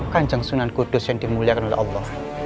kan jangsunan kudus yang dimuliakan oleh allah